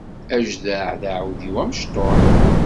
Ajdaɛ d aɛudiw amecṭuḥ.